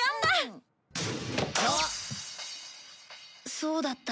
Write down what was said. そうだった。